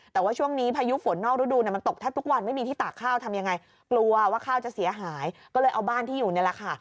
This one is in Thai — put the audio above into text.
แต่ว่าช่วงนี้พายุฝนนอกฤดูมันตกแทบทุกวันไม่มีที่ตากข้าวทำยังไงกลัวว่าข้าวจะเสียหายก็เลยเอาบ้านที่อยู่นี่แหละค่ะ